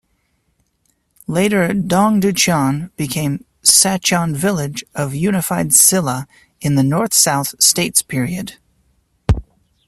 Later Dongducheon became Sacheon village of Unified Silla in the North-South States Period.